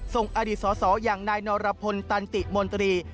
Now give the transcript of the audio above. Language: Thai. อดีตสอสออย่างนายนรพลตันติมนตรี